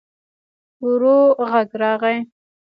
ورو غږ راغی.